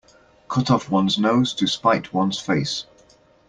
Cut off one's nose to spite one's face.